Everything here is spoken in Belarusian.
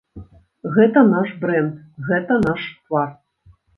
Гэта наш брэнд, гэта наш твар.